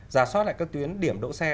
giả soát lại các tuyến điểm đỗ xe